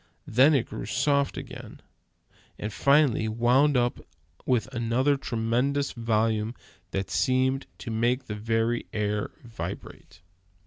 Then it grew softer again, and finally wound up with another tremendous volume that seemed to make the very air vibrate.